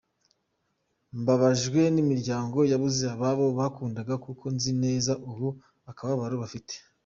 Mbabajwe n’imiryango yabuze ababo bakundaga kuko nzi neza ubu akababaro bafite.